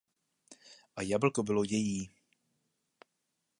A jablko bylo její.